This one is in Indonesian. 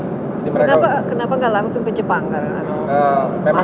kenapa gak langsung ke jepang